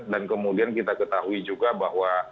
dan kemudian kita ketahui juga bahwa